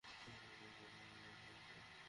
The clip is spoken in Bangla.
এটা সিদ্ধান্ত নেওয়ার তুমি কে?